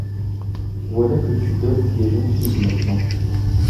Voilà que tu dotes les jeunes filles, maintenant.